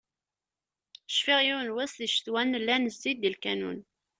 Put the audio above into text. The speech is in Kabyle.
Cfiɣ yiwen n wass di ccetwa, nella nezzi-d i lkanun.